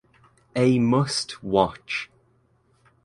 A must watch.